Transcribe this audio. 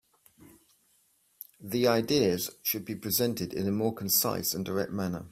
The ideas should be presented in a more concise and direct manner.